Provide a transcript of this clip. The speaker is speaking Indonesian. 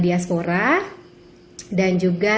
diaspora dan juga